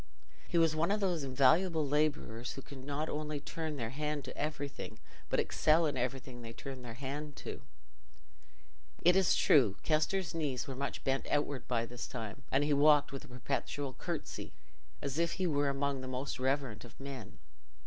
He was one of those invaluable labourers who can not only turn their hand to everything, but excel in everything they turn their hand to. It is true Kester's knees were much bent outward by this time, and he walked with a perpetual curtsy, as if he were among the most reverent of men.